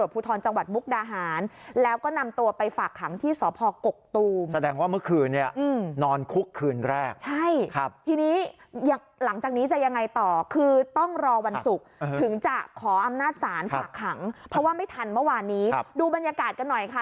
เพราะไม่ทันเมื่อวานนี้ดูบรรยากาศกันหน่อยค่ะ